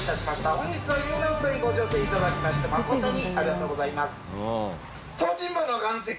本日は遊覧船ご乗船頂きまして誠にありがとうございます。